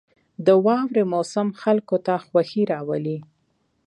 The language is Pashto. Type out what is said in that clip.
• د واورې موسم خلکو ته خوښي راولي.